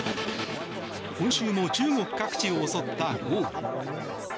今週も中国各地を襲った豪雨。